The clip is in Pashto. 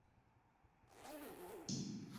آزاد تجارت مهم دی ځکه چې مهارتونه ورکوي.